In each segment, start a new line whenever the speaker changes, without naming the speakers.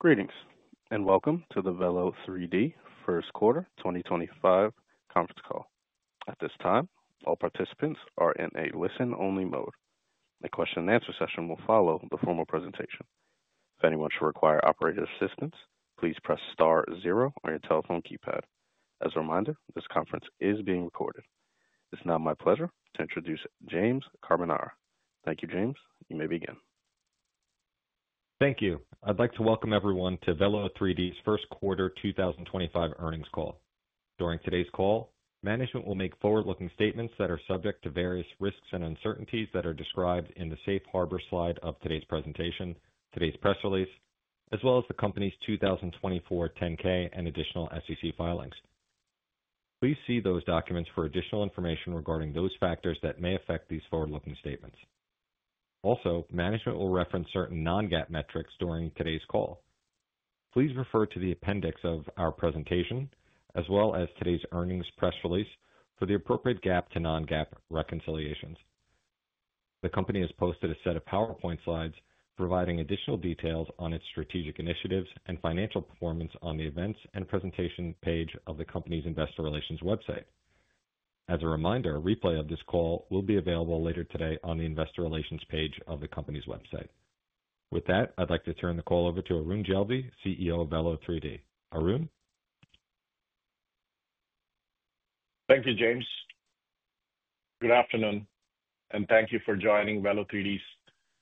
Greetings and welcome to the Velo3D first quarter 2025 conference call. At this time, all participants are in a listen-only mode. The question-and-answer session will follow the formal presentation. If anyone should require operator assistance, please press star zero on your telephone keypad. As a reminder, this conference is being recorded. It's now my pleasure to introduce James Carbonara. Thank you, James. You may begin.
Thank you. I'd like to welcome everyone to Velo3D's first quarter 2025 earnings call. During today's call, management will make forward-looking statements that are subject to various risks and uncertainties that are described in the Safe Harbor slide of today's presentation, today's press release, as well as the company's 2024 Form 10-K and additional SEC filings. Please see those documents for additional information regarding those factors that may affect these forward-looking statements. Also, management will reference certain non-GAAP metrics during today's call. Please refer to the appendix of our presentation, as well as today's earnings press release, for the appropriate GAAP to non-GAAP reconciliations. The company has posted a set of PowerPoint slides providing additional details on its strategic initiatives and financial performance on the events and presentation page of the company's investor relations website. As a reminder, a replay of this call will be available later today on the investor relations page of the company's website. With that, I'd like to turn the call over to Arun Jeldi, CEO of Velo3D. Arun?
Thank you, James. Good afternoon, and thank you for joining Velo3D's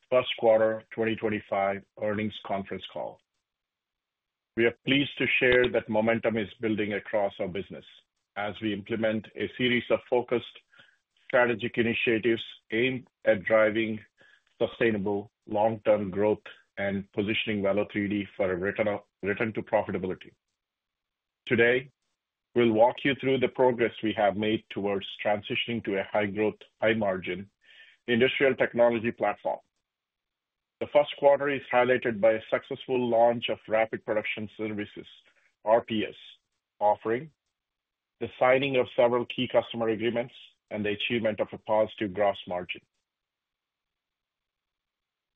first quarter 2025 earnings conference call. We are pleased to share that momentum is building across our business as we implement a series of focused strategic initiatives aimed at driving sustainable long-term growth and positioning Velo3D for a return to profitability. Today, we'll walk you through the progress we have made towards transitioning to a high-growth, high-margin industrial technology platform. The first quarter is highlighted by a successful launch of Rapid Production Solutions, RPS, offering the signing of several key customer agreements and the achievement of a positive gross margin.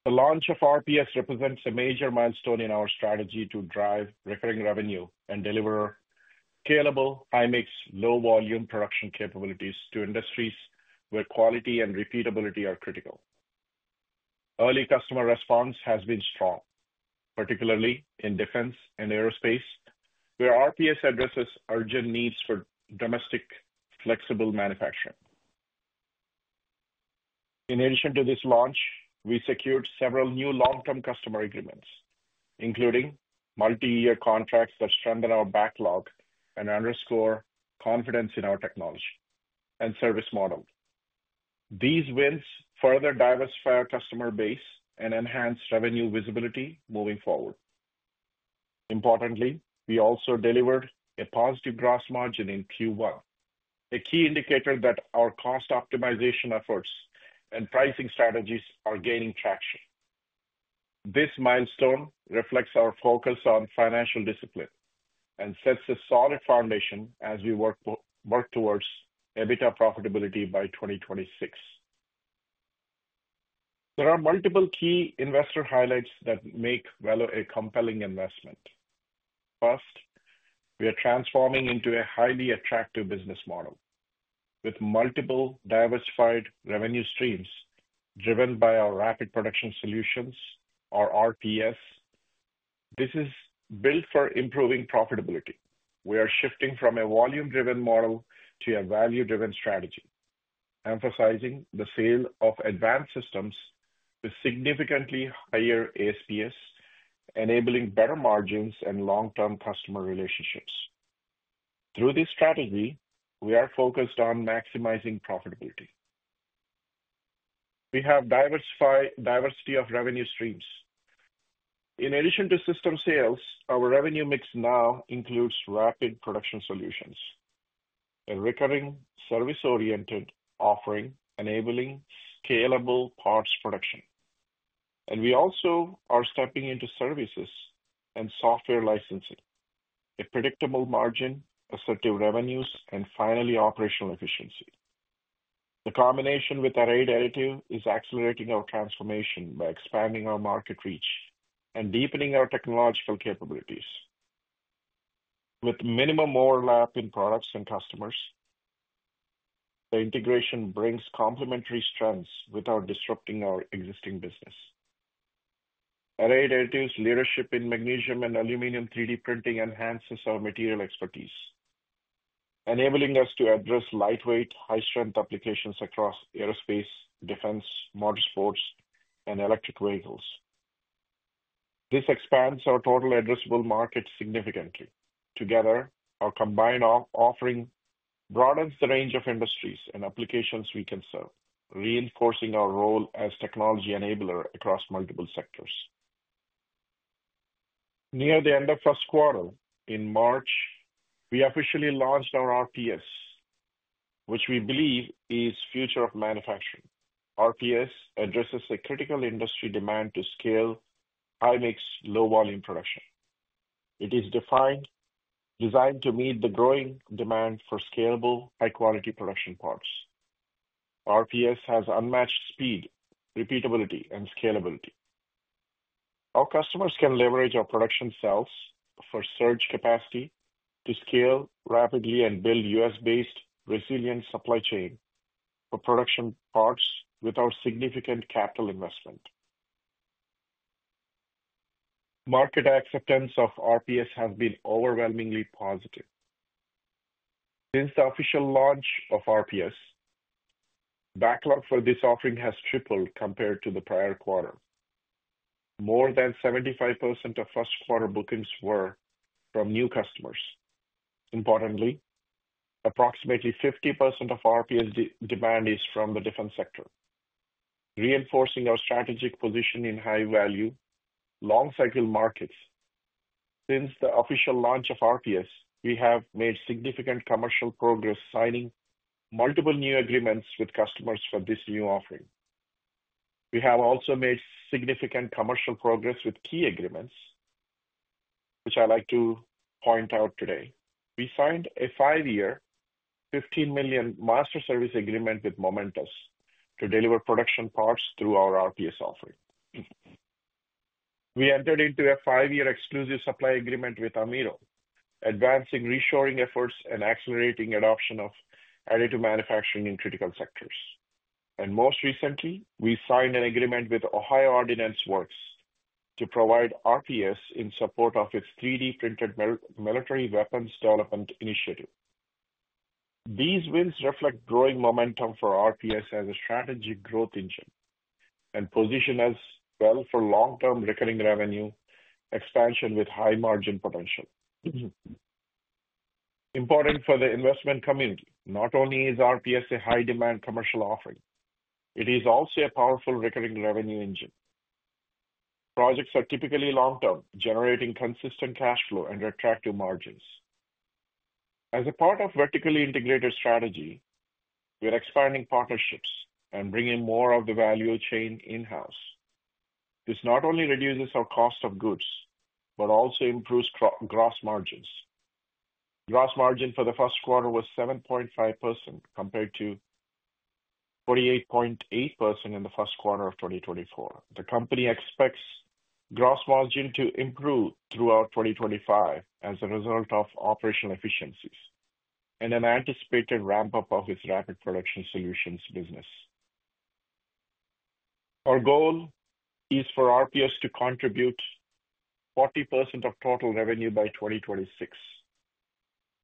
The launch of RPS represents a major milestone in our strategy to drive recurring revenue and deliver scalable, high-mix, low-volume production capabilities to industries where quality and repeatability are critical. Early customer response has been strong, particularly in defense and aerospace, where RPS addresses urgent needs for domestic flexible manufacturing. In addition to this launch, we secured several new long-term customer agreements, including multi-year contracts that strengthen our backlog and underscore confidence in our technology and service model. These wins further diversify our customer base and enhance revenue visibility moving forward. Importantly, we also delivered a positive gross margin in Q1, a key indicator that our cost optimization efforts and pricing strategies are gaining traction. This milestone reflects our focus on financial discipline and sets a solid foundation as we work towards EBITDA profitability by 2026. There are multiple key investor highlights that make Velo3D a compelling investment. First, we are transforming into a highly attractive business model with multiple diversified revenue streams driven by our Rapid Production Solutions, or RPS. This is built for improving profitability. We are shifting from a volume-driven model to a value-driven strategy, emphasizing the sale of advanced systems with significantly higher ASPs, enabling better margins and long-term customer relationships. Through this strategy, we are focused on maximizing profitability. We have diversity of revenue streams. In addition to system sales, our revenue mix now includes Rapid Production Solutions, a recurring service-oriented offering enabling scalable parts production. We also are stepping into services and software licensing, a predictable margin, assertive revenues, and finally, operational efficiency. The combination with Arrayed Additive is accelerating our transformation by expanding our market reach and deepening our technological capabilities. With minimum overlap in products and customers, the integration brings complementary strengths without disrupting our existing business. Arrayed Additive leadership in magnesium and aluminum 3D printing enhances our material expertise, enabling us to address lightweight, high-strength applications across aerospace, defense, motorsports, and electric vehicles. This expands our total addressable market significantly. Together, our combined offering broadens the range of industries and applications we can serve, reinforcing our role as technology enabler across multiple sectors. Near the end of first quarter, in March, we officially launched our RPS, which we believe is the future of manufacturing. RPS addresses a critical industry demand to scale high-mix, low-volume production. It is designed to meet the growing demand for scalable, high-quality production parts. RPS has unmatched speed, repeatability, and scalability. Our customers can leverage our production cells for surge capacity to scale rapidly and build U.S.-based resilient supply chain for production parts without significant capital investment. Market acceptance of RPS has been overwhelmingly positive. Since the official launch of RPS, backlog for this offering has tripled compared to the prior quarter. More than 75% of first quarter bookings were from new customers. Importantly, approximately 50% of RPS demand is from the defense sector, reinforcing our strategic position in high-value, long-cycle markets. Since the official launch of RPS, we have made significant commercial progress signing multiple new agreements with customers for this new offering. We have also made significant commercial progress with key agreements, which I'd like to point out today. We signed a five-year, $15 million Master Service Agreement with Momentus to deliver production parts through our RPS offering. We entered into a five-year exclusive supply agreement with Amaero, advancing reshoring efforts and accelerating adoption of additive manufacturing in critical sectors. Most recently, we signed an agreement with Ohio Ordnance Works to provide RPS in support of its 3D printed military weapons development initiative. These wins reflect growing momentum for RPS as a strategic growth engine and position us well for long-term recurring revenue expansion with high margin potential. Important for the investment community, not only is RPS a high-demand commercial offering, it is also a powerful recurring revenue engine. Projects are typically long-term, generating consistent cash flow and attractive margins. As a part of vertically integrated strategy, we are expanding partnerships and bringing more of the value chain in-house. This not only reduces our cost of goods, but also improves gross margins. Gross margin for the first quarter was 7.5% compared to 48.8% in the first quarter of 2024. The company expects gross margin to improve throughout 2025 as a result of operational efficiencies and an anticipated ramp-up of its Rapid Production Solutions business. Our goal is for RPS to contribute 40% of total revenue by 2026,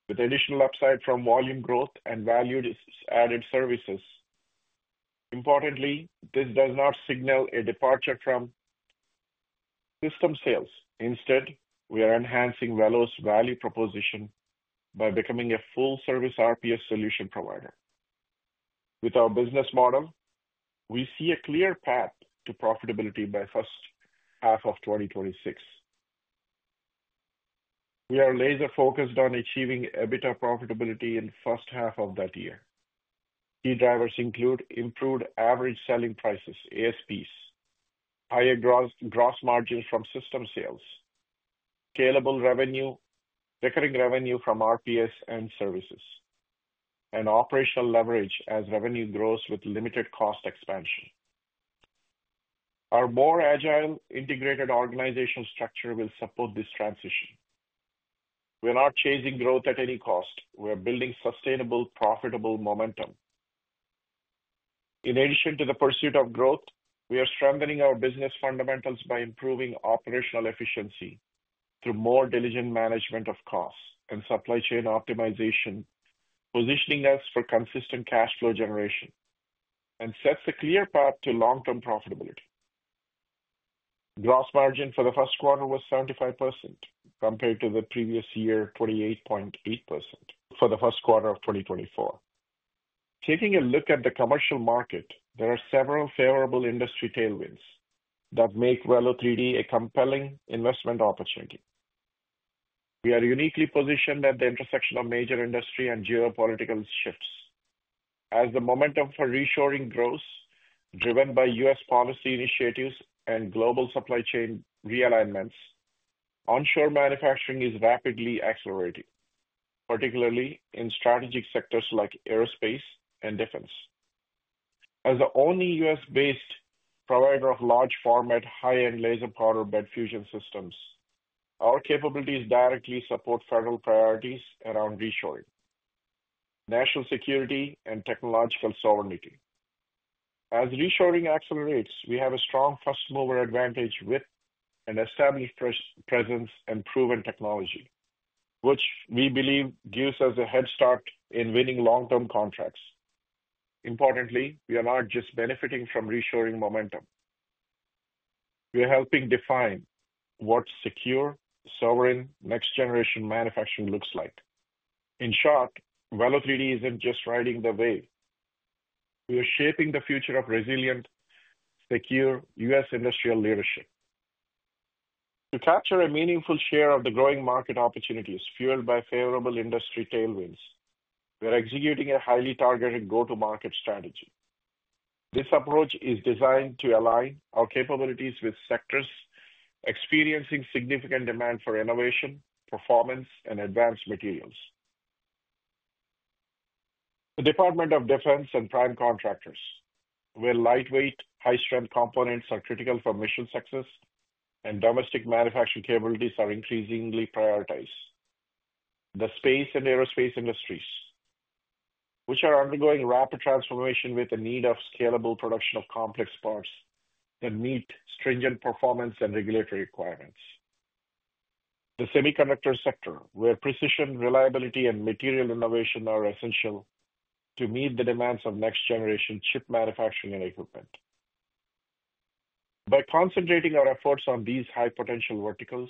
with additional upside from volume growth and value-added services. Importantly, this does not signal a departure from system sales. Instead, we are enhancing Velo3D's value proposition by becoming a full-service RPS solution provider. With our business model, we see a clear path to profitability by the first half of 2026. We are laser-focused on achieving EBITDA profitability in the first half of that year. Key drivers include improved average selling prices, ASPs, higher gross margins from system sales, scalable revenue, recurring revenue from RPS and services, and operational leverage as revenue grows with limited cost expansion. Our more agile integrated organizational structure will support this transition. We are not chasing growth at any cost. We are building sustainable, profitable momentum. In addition to the pursuit of growth, we are strengthening our business fundamentals by improving operational efficiency through more diligent management of costs and supply chain optimization, positioning us for consistent cash flow generation, and sets a clear path to long-term profitability. Gross margin for the first quarter was 7.5% compared to the previous year, 28.8% for the first quarter of 2024. Taking a look at the commercial market, there are several favorable industry tailwinds that make Velo3D a compelling investment opportunity. We are uniquely positioned at the intersection of major industry and geopolitical shifts. As the momentum for reshoring grows, driven by U.S. policy initiatives and global supply chain realignments, onshore manufacturing is rapidly accelerating, particularly in strategic sectors like aerospace and defense. As the only U.S.-based provider of large-format, high-end laser powder bed fusion systems, our capabilities directly support federal priorities around reshoring, national security, and technological sovereignty. As reshoring accelerates, we have a strong first-mover advantage with an established presence and proven technology, which we believe gives us a head start in winning long-term contracts. Importantly, we are not just benefiting from reshoring momentum. We are helping define what secure, sovereign, next-generation manufacturing looks like. In short, Velo3D isn't just riding the wave. We are shaping the future of resilient, secure U.S. industrial leadership. To capture a meaningful share of the growing market opportunities fueled by favorable industry tailwinds, we are executing a highly targeted go-to-market strategy. This approach is designed to align our capabilities with sectors experiencing significant demand for innovation, performance, and advanced materials. The Department of Defense and prime contractors, where lightweight, high-strength components are critical for mission success and domestic manufacturing capabilities are increasingly prioritized. The space and aerospace industries, which are undergoing rapid transformation with the need for scalable production of complex parts that meet stringent performance and regulatory requirements. The semiconductor sector, where precision, reliability, and material innovation are essential to meet the demands of next-generation chip manufacturing and equipment. By concentrating our efforts on these high-potential verticals,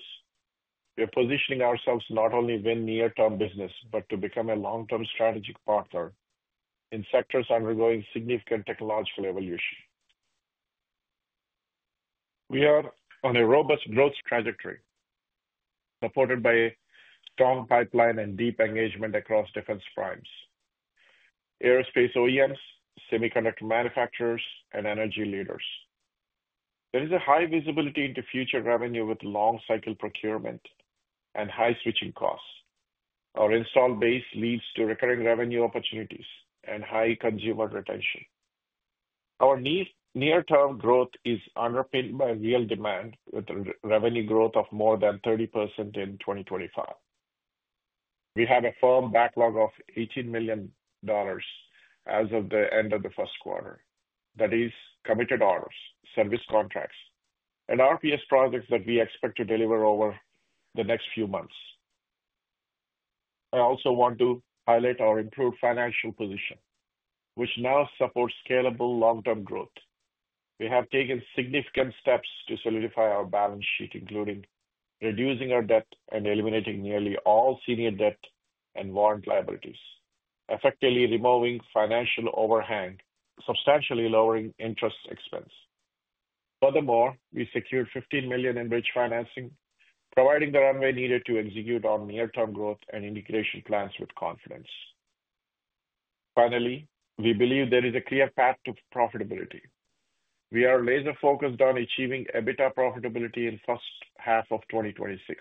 we are positioning ourselves not only with near-term business, but to become a long-term strategic partner in sectors undergoing significant technological evolution. We are on a robust growth trajectory, supported by a strong pipeline and deep engagement across defense primes, aerospace OEMs, semiconductor manufacturers, and energy leaders. There is a high visibility into future revenue with long-cycle procurement and high switching costs. Our install base leads to recurring revenue opportunities and high consumer retention. Our near-term growth is underpinned by real demand, with revenue growth of more than 30% in 2025. We have a firm backlog of $18 million as of the end of the first quarter. That is committed orders, service contracts, and RPS projects that we expect to deliver over the next few months. I also want to highlight our improved financial position, which now supports scalable long-term growth. We have taken significant steps to solidify our balance sheet, including reducing our debt and eliminating nearly all senior debt and warrant liabilities, effectively removing financial overhang, substantially lowering interest expense. Furthermore, we secured $15 million in bridge financing, providing the runway needed to execute our near-term growth and integration plans with confidence. Finally, we believe there is a clear path to profitability. We are laser-focused on achieving EBITDA profitability in the first half of 2026.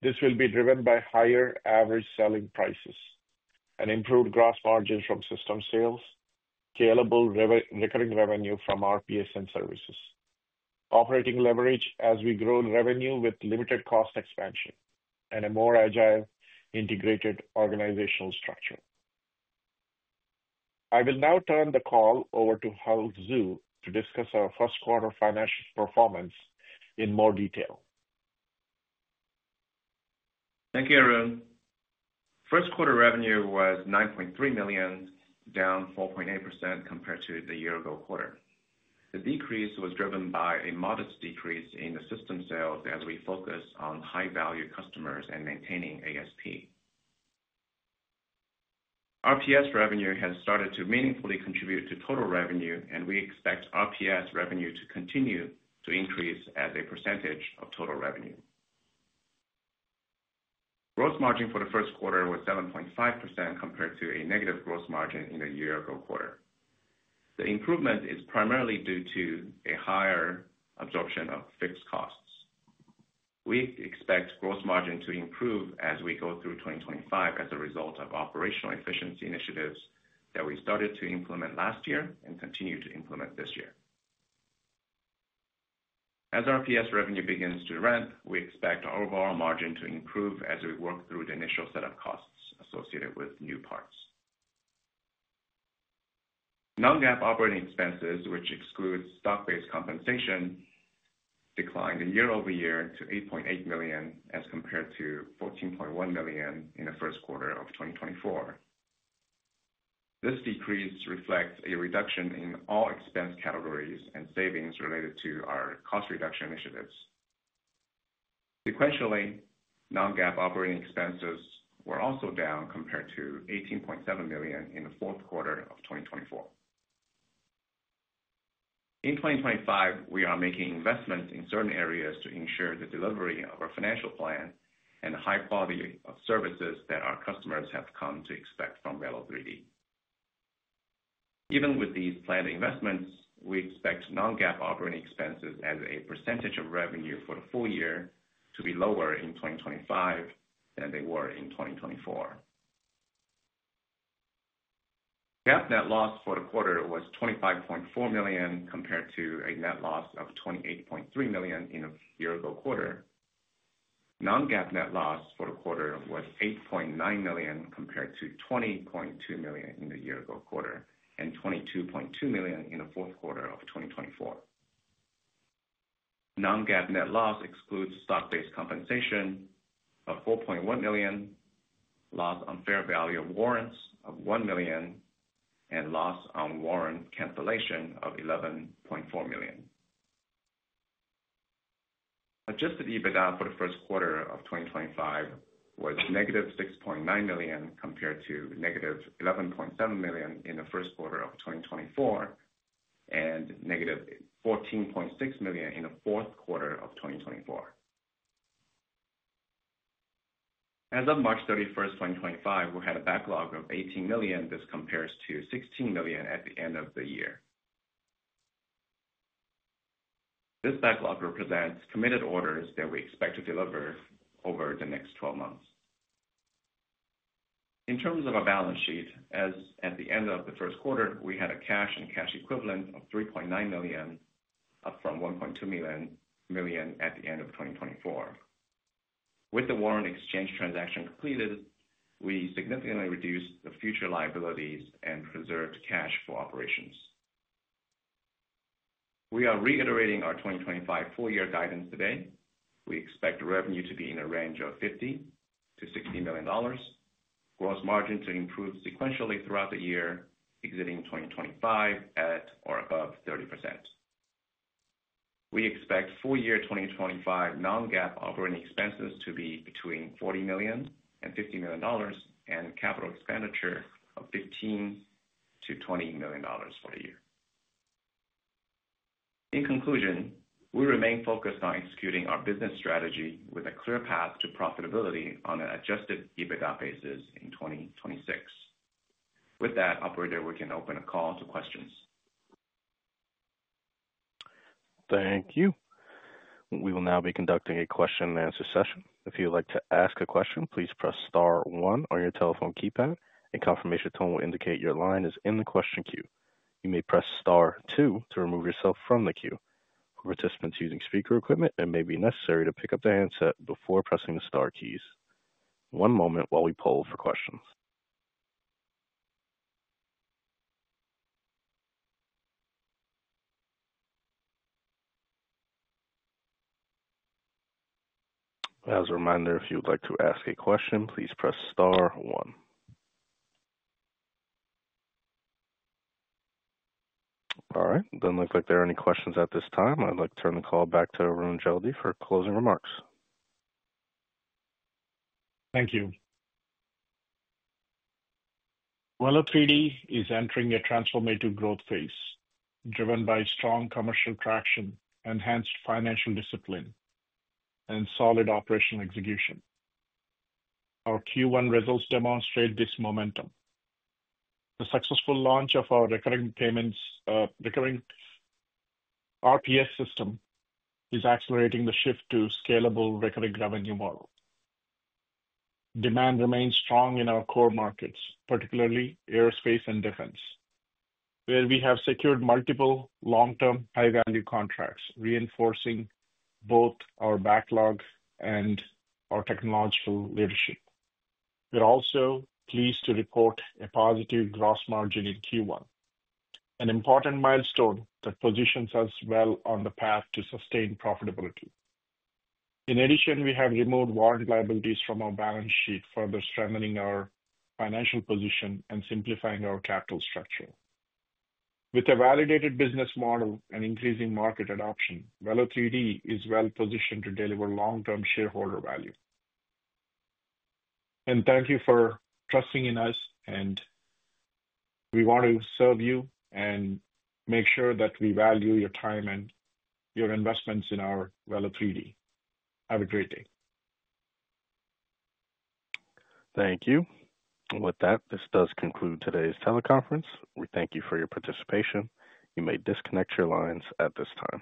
This will be driven by higher average selling prices, an improved gross margin from system sales, scalable recurring revenue from RPS and services, operating leverage as we grow revenue with limited cost expansion, and a more agile integrated organizational structure. I will now turn the call over to Hull Xu to discuss our first-quarter financial performance in more detail.
Thank you, Arun. First-quarter revenue was $9.3 million, down 4.8% compared to the year-ago quarter. The decrease was driven by a modest decrease in the system sales as we focus on high-value customers and maintaining ASP. RPS revenue has started to meaningfully contribute to total revenue, and we expect RPS revenue to continue to increase as a percentage of total revenue. Gross margin for the first quarter was 7.5% compared to a negative gross margin in the year-ago quarter. The improvement is primarily due to a higher absorption of fixed costs. We expect gross margin to improve as we go through 2025 as a result of operational efficiency initiatives that we started to implement last year and continue to implement this year. As RPS revenue begins to ramp, we expect our overall margin to improve as we work through the initial set of costs associated with new parts. Non-GAAP operating expenses, which excludes stock-based compensation, declined year-over-year to $8.8 million as compared to $14.1 million in the first quarter of 2024. This decrease reflects a reduction in all expense categories and savings related to our cost reduction initiatives. Sequentially, non-GAAP operating expenses were also down compared to $18.7 million in the fourth quarter of 2024. In 2025, we are making investments in certain areas to ensure the delivery of our financial plan and the high quality of services that our customers have come to expect from Velo3D. Even with these planned investments, we expect non-GAAP operating expenses as a percentage of revenue for the full year to be lower in 2025 than they were in 2024. GAAP net loss for the quarter was $25.4 million compared to a net loss of $28.3 million in the year-ago quarter. Non-GAAP net loss for the quarter was $8.9 million compared to $20.2 million in the year-ago quarter and $22.2 million in the fourth quarter of 2024. Non-GAAP net loss excludes stock-based compensation of $4.1 million, loss on fair value of warrants of $1 million, and loss on warrant cancellation of $11.4 million. Adjusted EBITDA for the first quarter of 2025 was -$6.9 million compared to -$11.7 million in the first quarter of 2024 and -$14.6 million in the fourth quarter of 2024. As of March 31, 2025, we had a backlog of $18 million. This compares to $16 million at the end of the year. This backlog represents committed orders that we expect to deliver over the next 12 months. In terms of our balance sheet, as at the end of the first quarter, we had a cash and cash equivalent of $3.9 million, up from $1.2 million at the end of 2024. With the warrant exchange transaction completed, we significantly reduced the future liabilities and preserved cash for operations. We are reiterating our 2025 full-year guidance today. We expect revenue to be in the range of $50 million-$60 million, gross margin to improve sequentially throughout the year, exiting 2025 at or above 30%. We expect full-year 2025 non-GAAP operating expenses to be between $40 million and $50 million, and capital expenditure of $15 million-$20 million for the year. In conclusion, we remain focused on executing our business strategy with a clear path to profitability on an adjusted EBITDA basis in 2026. With that, Operator, we can open a call to questions.
Thank you. We will now be conducting a question-and-answer session. If you'd like to ask a question, please press star one on your telephone keypad, and a confirmation tone will indicate your line is in the question queue. You may press star two to remove yourself from the queue. For participants using speaker equipment, it may be necessary to pick up the handset before pressing the Star keys. One moment while we poll for questions. As a reminder, if you'd like to ask a question, please press star one. All right. It doesn't look like there are any questions at this time. I'd like to turn the call back to Arun Jeldi for closing remarks.
Thank you. Velo3D is entering a transformative growth phase driven by strong commercial traction, enhanced financial discipline, and solid operational execution. Our Q1 results demonstrate this momentum. The successful launch of our recurring payments recurring RPS system is accelerating the shift to a scalable recurring revenue model. Demand remains strong in our core markets, particularly aerospace and defense, where we have secured multiple long-term high-value contracts, reinforcing both our backlog and our technological leadership. We're also pleased to report a positive gross margin in Q1, an important milestone that positions us well on the path to sustained profitability. In addition, we have removed warrant liabilities from our balance sheet, further strengthening our financial position and simplifying our capital structure. With a validated business model and increasing market adoption, Velo3D is well positioned to deliver long-term shareholder value. Thank you for trusting in us, and we want to serve you and make sure that we value your time and your investments in our Velo3D. Have a great day.
Thank you. With that, this does conclude today's teleconference. We thank you for your participation. You may disconnect your lines at this time.